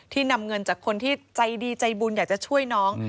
นำเงินจากคนที่ใจดีใจบุญอยากจะช่วยน้อง